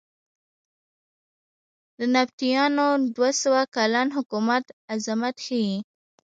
د نبطیانو دوه سوه کلن حکومت عظمت ښیې.